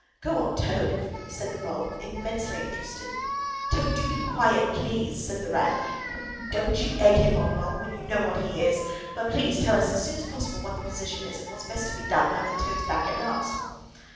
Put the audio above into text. "Go on, Toad," said the Mole, immensely interested. "Toad, do be quiet, please!" said the Rat. "And don't you egg him on, Mole, when you know what he is; but please tell us as soon as possible what the position is, and what's best to be done, now that Toad is back at last."